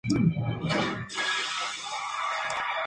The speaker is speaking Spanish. Es muy buena amiga de las actrices Angela Griffin y Nicola Stephenson.